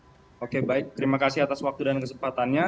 terima kasih banyak banyak untuk beri dukungan di atas waktu dan kesempatannya